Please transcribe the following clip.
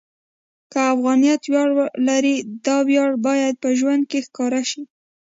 که افغانیت ویاړ لري، دا ویاړ باید په ژوند کې ښکاره شي.